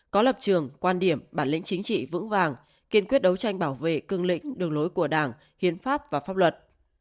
có lập trường quan điểm bản lĩnh chính trị vững vàng kiên quyết đấu tranh bảo vệ cương lĩnh đường lối của đảng hiến pháp và pháp luật